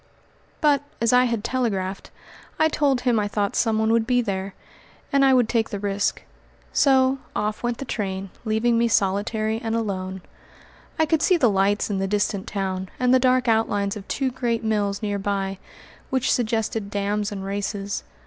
But, as I had telegraphed, I told him I thought someone would be there, and I would take the risk. So off went the train, leaving me solitary and alone. I could see the lights in the distant town and the dark outlines of two great mills near by, which suggested dams and races.